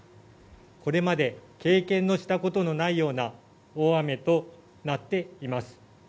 これまで経験のしたことのないような大雨となっています。